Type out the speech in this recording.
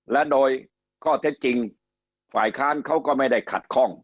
และโดยข้อเท็จจริงฝ่ายค้านเขาก็ไม่ได้ขัดข้อง